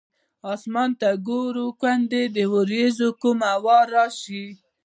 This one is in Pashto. اسمان ته ګورو ګوندې د ورېځو کومه ورا راشي.